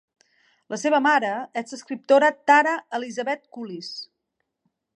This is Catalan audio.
La seva mare és l'escriptora Tara Elizabeth Cullis.